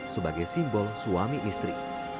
sebagai simbol suami istri